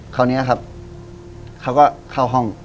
คราวนี้ครับเขาก็เข้าห้อง